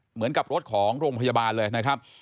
เหมือนกับรถของโรงพยาบาลเลยนะครับ